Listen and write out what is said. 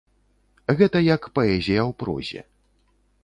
Гэта як паэзія ў прозе.